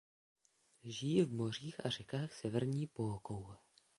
Žijí v mořích a řekách severní polokoule.